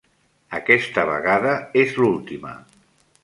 Aquesta vegada és l'última.